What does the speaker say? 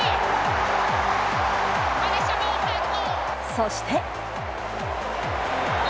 そして。